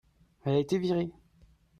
elle a été virée.